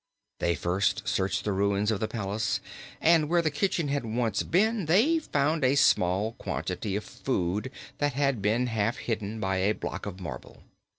They first searched the ruins of the palace, and where the kitchen had once been they found a small quantity of food that had been half hidden by a block of marble.